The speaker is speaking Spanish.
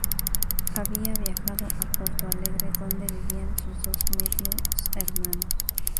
Había viajado a Porto Alegre, donde vivían sus dos medios hermanos.